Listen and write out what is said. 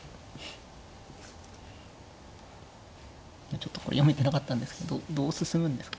ちょっと読めてなかったんですけどどう進むんですか。